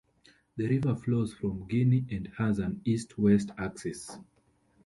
The river flows from Guinea and has an east-west axis.